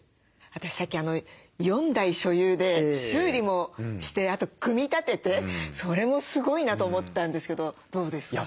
私さっき４台所有で修理もしてあと組み立ててそれもすごいなと思ったんですけどどうですか？